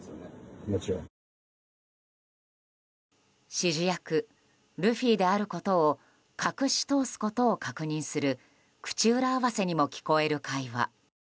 指示役ルフィであることを隠し通すことを確認する口裏合わせにも聞こえる会話。